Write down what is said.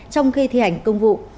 trong khi thi hành công vụ